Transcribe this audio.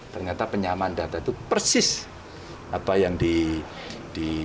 ternyata penyaman data itu persis yang dihadapi